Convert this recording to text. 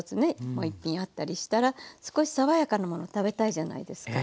もう一品あったりしたら少し爽やかなもの食べたいじゃないですか。